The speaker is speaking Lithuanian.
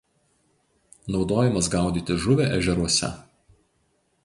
Naudojamas gaudyti žuvį ežeruose.